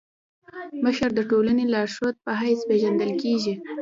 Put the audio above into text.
مشر د ټولني د لارښود په حيث پيژندل کيږي.